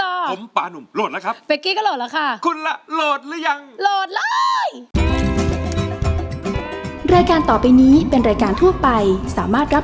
ผมปานุ่มโหลดแล้วครับ